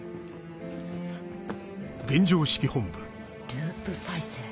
ループ再生？